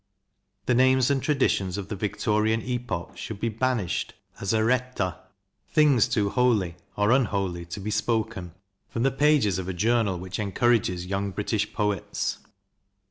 The names and traditions of the Victorian epoch should be banished as applet things too holy (or 207 208 CRITICAL STUDIES unholy) to be spoken from the pages of a journal which encourages young British poets.